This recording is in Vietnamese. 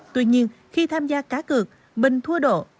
tuy nhiên khi tham gia cá cược bình thua độ